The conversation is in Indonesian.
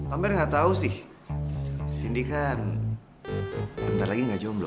amir ngatau sih sindi kan bentar lagi engga jomblo